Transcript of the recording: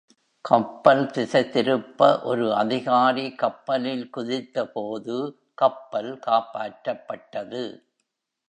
கப்பல் திசை திருப்ப ஒரு அதிகாரி கப்பலில் குதித்தபோது கப்பல் காப்பாற்றப்பட்டது.